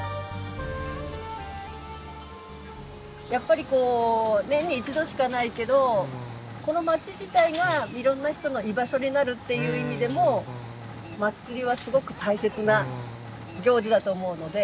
やっぱりこう年に一度しかないけどこの町自体がいろんな人の居場所になるっていう意味でも祭りはすごく大切な行事だと思うので。